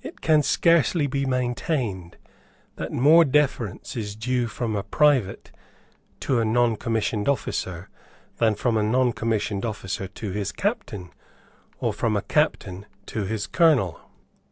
It can scarcely be maintained that more deference is due from a private to a noncommissioned officer than from a noncommissioned officer to his captain, or from a captain to his colonel.